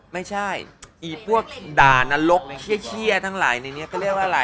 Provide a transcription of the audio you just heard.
ไม่ใช่อีพวกด่านรกเขี้ยทั้งหลายในนี้ก็เรียกว่าอะไร